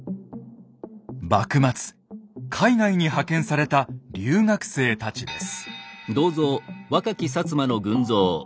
幕末海外に派遣された留学生たちです。